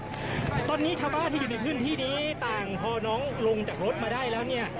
ตอนนี้ชาวบ้านที่อยู่ในพื้นที่นี้ต่างพอน้องลงจากรถมาได้แล้วเนี่ย